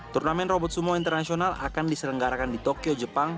turnamen robot sumo internasional akan diselenggarakan di tokyo jepang